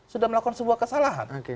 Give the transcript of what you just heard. sudah melakukan sebuah kesalahan